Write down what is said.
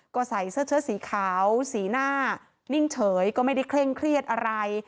ก็ใส่เสื้อเชิดสีขาวสีหน้านิ่งเฉยก็ไม่ได้เคร่งเครียดอะไร